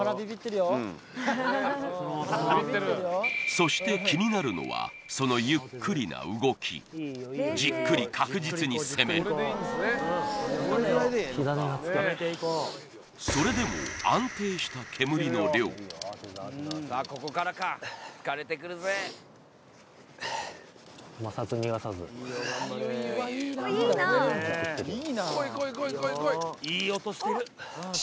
そして気になるのはそのゆっくりな動きじっくり確実に攻めるそれでも安定した煙の量摩擦逃がさず回ってきてるよ